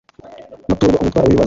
baturwa umutwaro w' ibibazo.